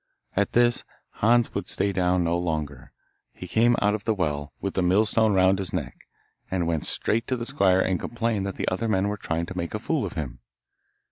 At this, Hans would stay down no longer. He came out of the well, with the mill stone round his neck, ad went straight to the squire and complained that the other men were trying to make a fool of him.